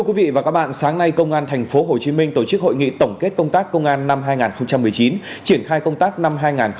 hôm nay công an tp hcm tổ chức hội nghị tổng kết công tác công an năm hai nghìn một mươi chín triển khai công tác năm hai nghìn hai mươi